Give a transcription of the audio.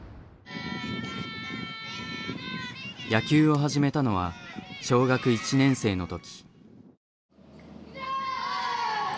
野球を始めたのは小学１年生の時。